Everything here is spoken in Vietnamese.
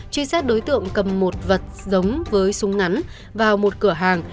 truy xét đối tượng cầm một vật giống với súng ngắn vào một cửa hàng